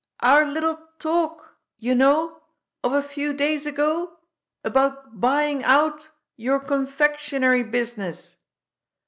Our little talk, you know, of a few days ago, about buying out your confectionery business.